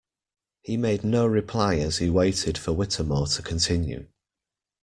He made no reply as he waited for Whittemore to continue.